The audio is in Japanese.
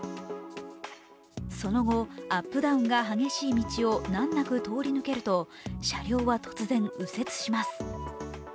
その後、アップダウンが激しい道を難なく通り抜けると車両は突然、右折します。